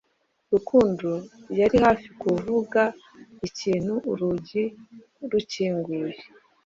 Rukundo yari hafi kuvuga ikintu urugi rukinguye.